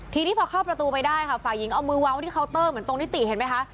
ทีนี้พอเข้าประตูไปได้ค่ะฝ่ายหญิงเอามือวางไว้ที่เคาน์เตอร์เหมือนตรงนิติเห็นไหมคะ